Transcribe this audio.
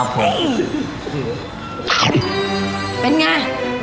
เป็นไง